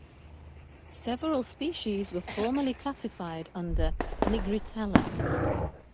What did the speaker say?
Several species were formerly classified under "Nigritella".